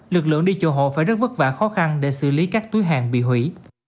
lực lượng đi chùa hộ phải rất vất vả khó khăn để xử lý các túi hàng bị hủy